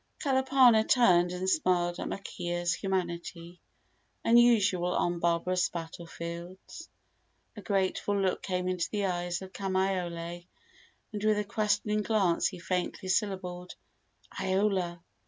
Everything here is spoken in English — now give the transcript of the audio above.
Kalapana turned and smiled at Makea's humanity, unusual on barbarous battle fields. A grateful look came into the eyes of Kamaiole, and with a questioning glance he faintly syllabled "Iola!"